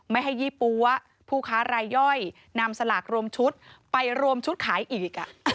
ไม่ให้ยี่ปั๊วผู้ค้ารายย่อยนำสลากรวมชุดไปรวมชุดขายอีก